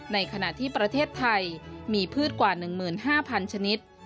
ในขณะที่ประเทศไทยมีพืชกว่า๑๕๐๐๐ชนิด